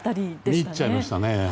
見入っちゃいましたね。